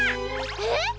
えっ！？